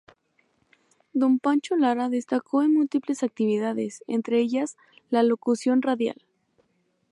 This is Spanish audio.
Don Pancho Lara destacó en múltiples actividades, entre ellas la locución radial.